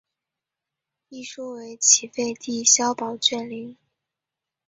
一说为齐废帝萧宝卷陵。